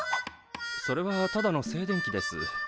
それはただの静電気です。